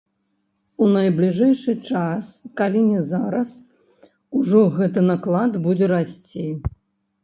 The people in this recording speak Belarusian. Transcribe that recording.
У найбліжэйшы час, калі не зараз, ужо гэты наклад будзе расці.